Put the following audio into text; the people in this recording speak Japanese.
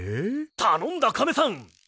たのんだカメさん！